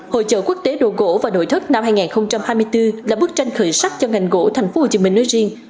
hội chợ quốc tế đồ gỗ và nội thất năm hai nghìn hai mươi bốn là bức tranh khởi sắc cho ngành gỗ thành phố hồ chí minh nơi riêng